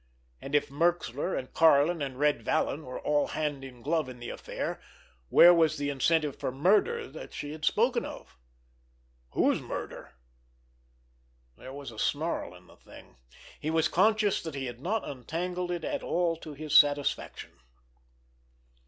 And if Merxler and Karlin and Red Vallon were all hand in glove in the affair, where was the incentive for murder that she had spoken of? Whose murder? There was a snarl in the thing. He was conscious that he had not untangled it at all to his satisfaction.